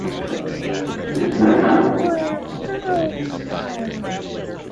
The bishop fled for safety into Saint Paul's Cathedral.